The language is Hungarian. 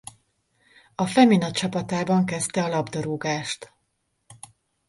A Femina csapatában kezdte a labdarúgást.